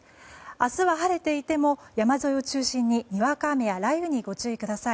明日は晴れていても山沿いを中心ににわか雨や雷雨にご注意ください。